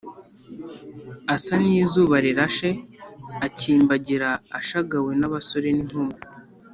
asa n’izuba rirashe, akimbagira ashagawe n’abasore n’inkumi